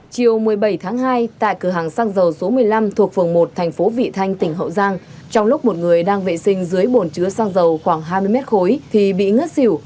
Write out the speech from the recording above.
chiều một mươi bảy tháng hai tại cửa hàng xăng dầu số một mươi năm thuộc phường một thành phố vị thanh tỉnh hậu giang trong lúc một người đang vệ sinh dưới bồn chứa xăng dầu khoảng hai mươi mét khối thì bị ngất xỉu